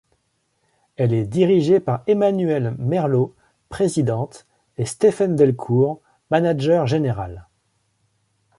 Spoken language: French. Elle est dirigée par Emmanuelle Merlot, présidente et Stephen Delcourt, manager général.